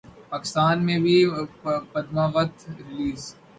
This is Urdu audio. پاکستان میں بھی پدماوت ریلیز